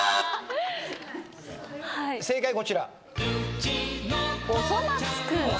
正解こちら。